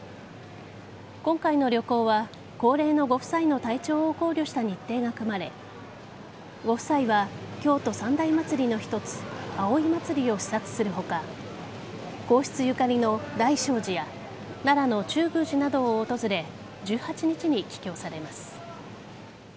今回の旅行は高齢のご夫妻の体調を考慮した日程が組まれご夫妻は京都三大祭の一つ葵祭を視察する他皇室ゆかりの大聖寺や奈良の中宮寺などを訪れ１８日に帰京されます。